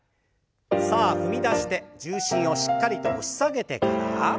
さあ踏み出して重心をしっかりと押し下げてから。